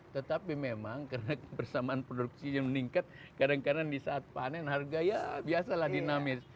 tetapi memang karena kebersamaan produksinya meningkat kadang kadang di saat panen harga ya biasalah dinamis